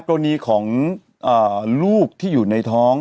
กรณีของลูกที่อยู่ในท้อง